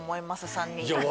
３人とも。